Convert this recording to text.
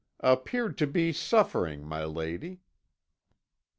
"'Appeared to be suffering, my lady.'